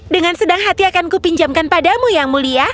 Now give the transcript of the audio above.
dengan sedang hati akan kupinjamkan padamu yang mulia